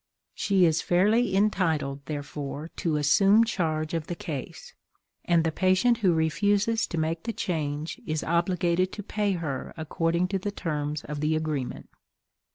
She is fairly entitled, therefore, to assume charge of the case, and the patient who refuses to make the change is obligated to pay her according to the terms of the agreement.